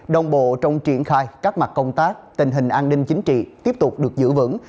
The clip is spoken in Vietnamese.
đồng bộ trong triển khai các mặt công tác tình hình an ninh chính trị tiếp tục được giữ vững